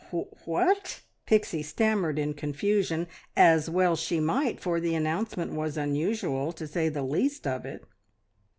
"Wh what?" Pixie stammered in confusion, as well she might, for the announcement was unusual, to say the least of it.